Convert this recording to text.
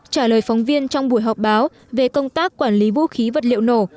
trả lời phóng viên trong buổi họp báo về công tác quản lý vũ khí vật liệu nổ